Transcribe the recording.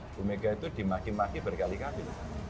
bumega itu dimaki maki berkali kali